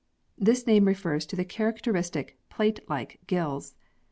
This name re fers to the characteristic plate like gills.